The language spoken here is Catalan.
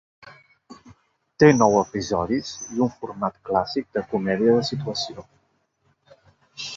Té nou episodis i un format clàssic de comèdia de situació.